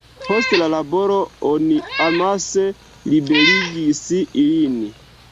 Post la laboro oni amase liberigis ilin.